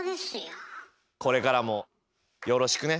これからもよろしくね。